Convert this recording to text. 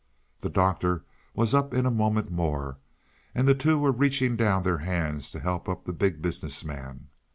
The Doctor was up in a moment more, and the two were reaching down their hands to help up the Big Business Man.